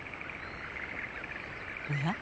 おや？